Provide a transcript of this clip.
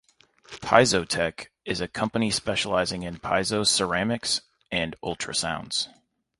PiezoTech is a company specializing in piezo ceramics and ultrasounds.